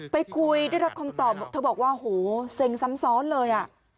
ไปคุยได้รับคำตอบเธอบอกว่าโหเซ็งซ้ำซ้อนเลยอ่ะ